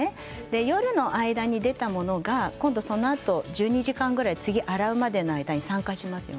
夜の間に出たものが１２時間ぐらい次に洗うまでの間に酸化します。